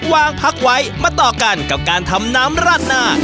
วางพักไว้มาต่อกันกับการทำน้ำราดหน้า